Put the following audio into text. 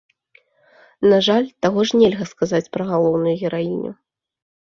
На жаль, таго ж нельга сказаць пра галоўную гераіню.